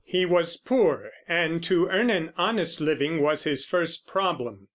He was poor, and to earn an honest living was his first problem.